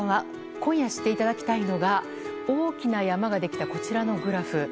今夜知っていただきたいのが大きな山ができたこちらのグラフ。